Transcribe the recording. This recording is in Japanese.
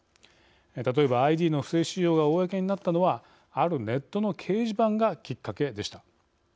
例えばＩＤの不正使用が公になったのはあるネットの掲示板がきっかけでした。